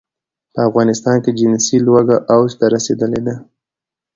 په افغانستان کې جنسي لوږه اوج ته رسېدلې ده.